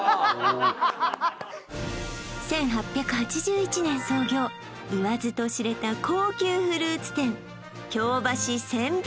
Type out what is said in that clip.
１８８１年創業言わずと知れた高級フルーツ店